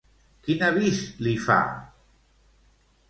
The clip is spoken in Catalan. Quin avís li fa?